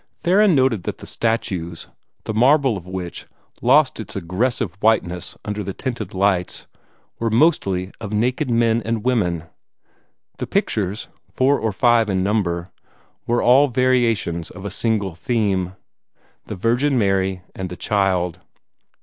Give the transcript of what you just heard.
Theron noted that the statues, the marble of which lost its aggressive whiteness under the tinted lights, were mostly of naked men and women; the pictures, four or five in number, were all variations of a single theme the Virgin Mary and the Child.